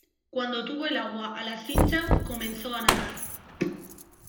cuando tuvo el agua a la cincha comenzó a nadar